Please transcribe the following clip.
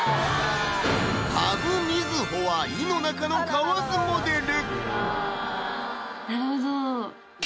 土生瑞穂は井の中の蛙モデル！